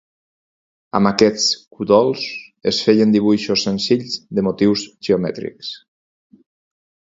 Amb aquests còdols es feien dibuixos senzills de motius geomètrics.